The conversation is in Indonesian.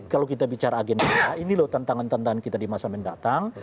kalau kita bicara agenda ini loh tantangan tantangan kita di masa mendatang